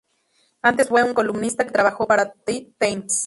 Antes fue un columnista que trabajó para "The Times".